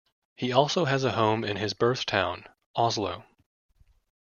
He also has a home in his birth town: Oslo.